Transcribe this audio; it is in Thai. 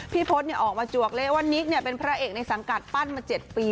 พจน์ออกมาจวกเลยว่านิกเป็นพระเอกในสังกัดปั้นมา๗ปี